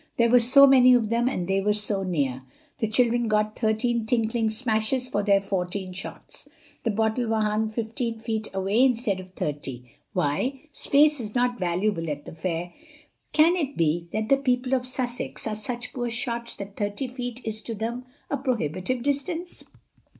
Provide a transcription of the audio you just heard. There were so many of them and they were so near. The children got thirteen tinkling smashes for their fourteen shots. The bottles were hung fifteen feet away instead of thirty. Why? Space is not valuable at the fair—can it be that the people of Sussex are such poor shots that thirty feet is to them a prohibitive distance?